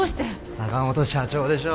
坂本社長でしょ